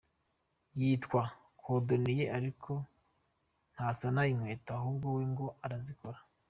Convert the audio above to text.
yitwa ‘cordonier’ariko ntasana inkweto, ahubwo we ngo arazikora.